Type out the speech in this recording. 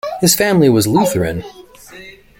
His family was Lutheran.